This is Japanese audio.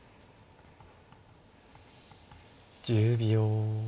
１０秒。